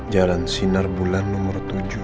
jalan sinar bulan nomor tujuh